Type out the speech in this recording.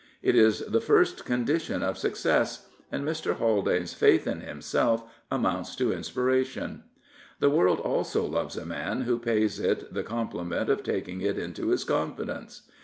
| It is the first condition of success, and Mr. Haldaners faith in himself amounts to inspiration. The world also loves a man who pays it the compli ment of taking it into his confidence.